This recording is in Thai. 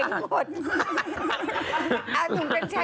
หมาหมา